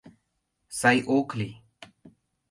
— Сай ок лий...